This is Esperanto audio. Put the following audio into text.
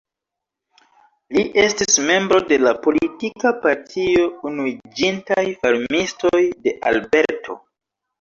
Li estis membro de la politika partio Unuiĝintaj Farmistoj de Alberto.